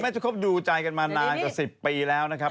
จะคบดูใจกันมานานกว่า๑๐ปีแล้วนะครับ